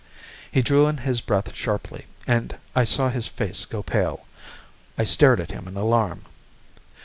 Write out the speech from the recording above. He drew in his breath sharply, and I saw his face go pale. I stared at him in alarm.